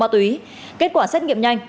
ma túy kết quả xét nghiệm nhanh